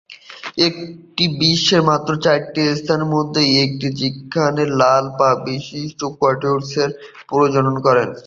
এটি বিশ্বের মাত্র চারটি স্থানের মধ্যে একটি যেখানে লাল পা বিশিষ্ট কিটিওয়াকস প্রজনন করে।